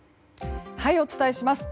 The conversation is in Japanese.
お伝えします。